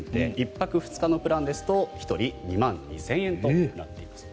１泊２日のプランですと１人２万２０００円となっています。